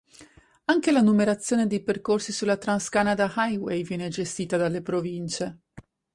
Anche la numerazione dei percorsi sulla Trans-Canada Highway viene gestita dalle province.